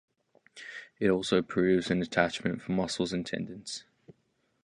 It also provides an attachment for muscles and tendons.